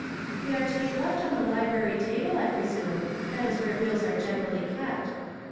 '' They are to be left on the library table, I presume. That is where bills are generally kept."